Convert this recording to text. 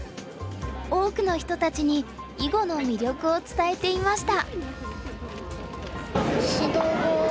多くの人たちに囲碁の魅力を伝えていました。